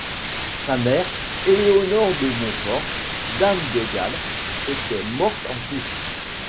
Sa mère, Éléonore de Montfort, dame de Galles, était morte en couches.